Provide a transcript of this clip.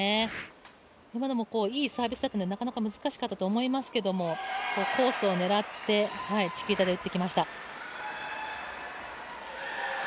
今のもいいサービスだったので、なかなか難しかったと思いますけど、コースを狙って、チキータで打ってきました。